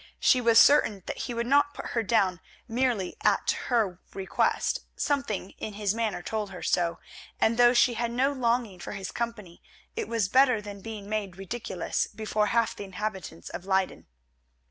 She was certain that he would not put her down merely at her request; something in his manner told her so, and though she had no longing for his company it was better than being made ridiculous before half the inhabitants of Leyden.